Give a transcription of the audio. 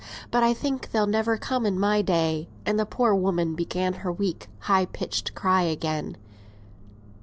But I think they'll never come in my day;" and the poor woman began her weak high pitched cry again.